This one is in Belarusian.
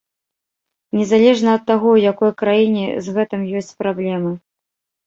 Незалежна ад таго, у якой краіне з гэтым ёсць праблемы.